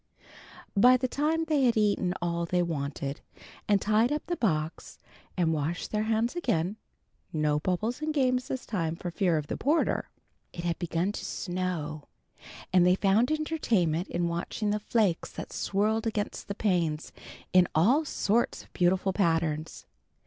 By the time they had eaten all they wanted, and tied up the box and washed their hands again (no bubbles and games this time for fear of the porter) it had begun to snow, and they found entertainment in watching the flakes that swirled against the panes in all sorts of beautiful patterns.